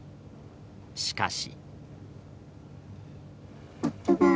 しかし。